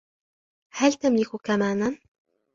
هل تملك كمانًا ؟